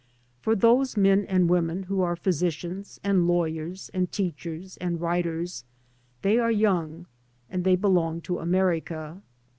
For those men and women who are phy sicians, and lawyers, and teachers, and writers, they are young, and they belong to America.